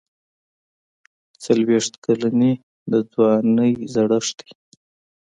څلوېښت کلني د ځوانۍ زړښت دی.